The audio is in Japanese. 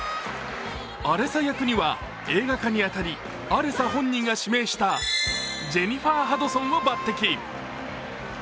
アレサ役には、映画化に当たり、アレサ本人が指名したジェニファー・ハドソンを抜てき。